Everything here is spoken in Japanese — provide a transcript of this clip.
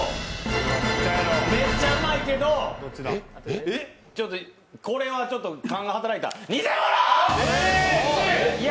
めっちゃうまいけどこれは勘が働いた、ニセモノォ！